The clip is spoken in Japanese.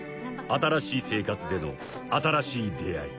［新しい生活での新しい出会い］